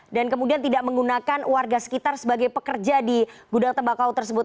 dan kemudian tidak menggunakan warga sekitar sebagai pekerja di gudang tembakau tersebut